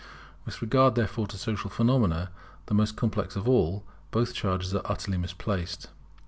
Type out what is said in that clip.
With regard, therefore, to social phenomena, the most complex of all, both charges are utterly misplaced.